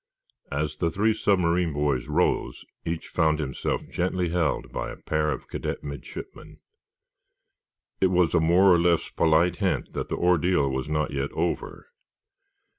As the three submarine boys rose, each found himself gently held by a pair of cadet midshipmen. It was a more or less polite hint that the ordeal was not yet over.